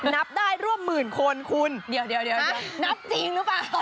นับได้ร่วมหมื่นคนคุณเดี๋ยวนับจริงหรือเปล่า